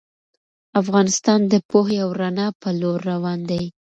افغانستان د پوهې او رڼا په لور روان دی.